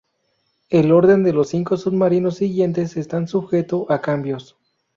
El orden de los cinco submarinos siguientes está sujeto a cambios.